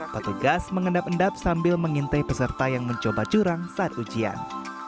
petugas mengendap endap sambil mengintai peserta yang mencoba curang saat ujian